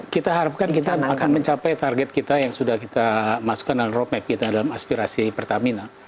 kita harapkan kita akan mencapai target kita yang sudah kita masukkan dalam roadmap kita dalam aspirasi pertamina